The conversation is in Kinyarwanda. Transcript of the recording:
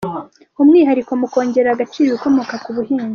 Umwihariko mu kongerera agaciro ibikomoka ku buhinzi.